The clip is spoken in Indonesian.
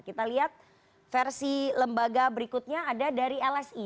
kita lihat versi lembaga berikutnya ada dari lsi